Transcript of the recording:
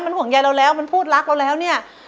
มันห่วงใยเราแล้วมันพูดรักเราแล้วเนี่ย